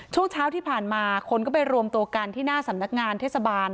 ช่วงเช้าที่ผ่านมาคนก็ไปรวมตัวกันที่หน้าสำนักงานเทศบาล